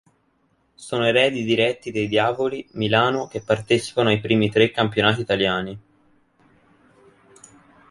Sono eredi diretti dei Diavoli Milano che parteciparono ai primi tre campionati italiani.